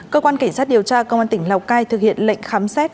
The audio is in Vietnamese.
cơ quan cảnh sát điều tra công an tỉnh lào cai thực hiện lệnh khám xét